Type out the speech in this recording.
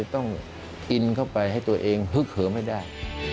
ต้องกินเข้าไปให้ตัวเองพึกเหิมให้ได้